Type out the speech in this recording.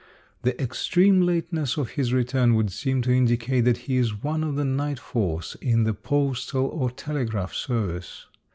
The extreme lateness of his return would seem to indicate that he is one of the night force in the postal or telegraph service.